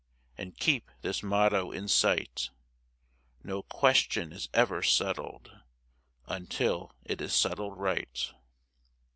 And keep this motto in sight,— No question is ever settled Until it is settled right.